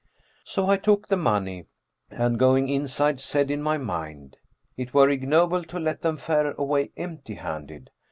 So I took the money and going inside said in my mind, 'It were ignoble to let them fare away empty handed.'